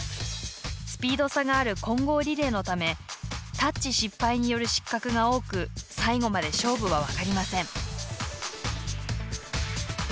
スピード差がある混合リレーのためタッチ失敗による失格が多く最後まで勝負は分かりません。